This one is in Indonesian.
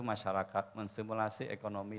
masyarakat mensimulasi ekonomi